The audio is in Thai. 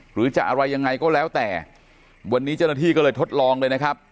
หรือจะอะไรยังไงก็แล้วแต่วันนี้เจ้าหน้าที่ก็เลยทดลองเลยนะครับ